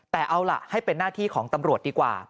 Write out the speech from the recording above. แต่เอาล่ะให้เป็นหน้าที่ของตำรวจดีกว่า